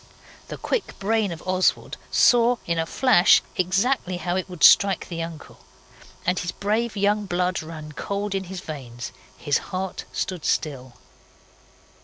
The quick brain of Oswald saw, in a flash, exactly how it would strike the uncle, and his brave young blood ran cold in his veins. His heart stood still.